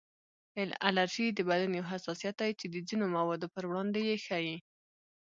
الرژي د بدن یو حساسیت دی چې د ځینو موادو پر وړاندې یې ښیي